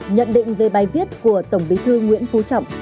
nhận định về bài viết của tổng bí thư nguyễn phú trọng